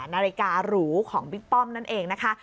นาฬิการูของบิ๊กป้อมนั่นเองนะคะ